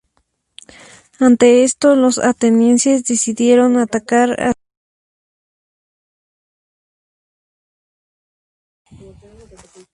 Ante esto los atenienses decidieron atacar a Siracusa en lugar de a Selinunte.